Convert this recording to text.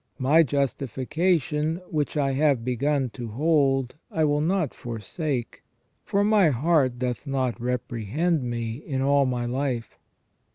My justification, which I have begun to hold, I will not forsake : for my heart doth not reprehend me in all my life."